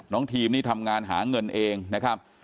ทีมนี่ทำงานหาเงินเองนะครับ